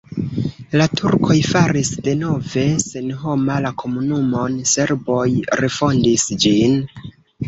La turkoj faris denove senhoma la komunumon, serboj refondis ĝin.